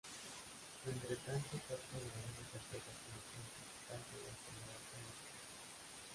Entre tanto captan a grandes empresas como clientes, tal como General Electric.